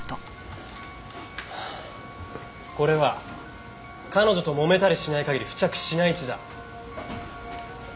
これは彼女ともめたりしない限り付着しない血だ。